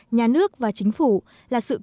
nhà nước và chính phủ là sự kế thừa và phát triển